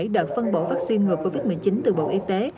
một mươi bảy đợt phân bổ vaccine ngừa covid một mươi chín từ bộ y tế